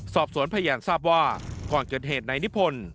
สอบสวนพยานทราบว่าก่อนเกิดเหตุนายนิพนธ์